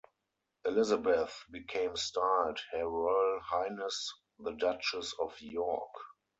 Elizabeth became styled "Her Royal Highness The Duchess of York".